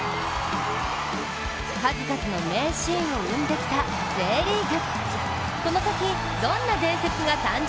数々の名シーンを生んできたＪリーグ。